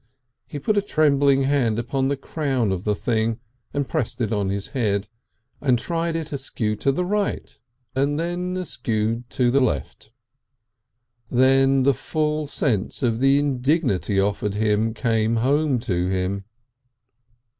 He put a trembling hand upon the crown of the thing and pressed it on his head, and tried it askew to the right and then askew to the left. Then the full sense of the indignity offered him came home to him.